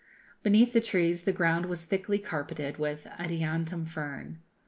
Beneath the trees the ground was thickly carpeted with adiantum fern.